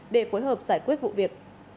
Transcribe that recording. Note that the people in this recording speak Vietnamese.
để phối hợp giải quyết vụ việc